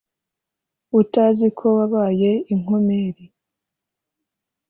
Utazi ko wabaye inkomeri,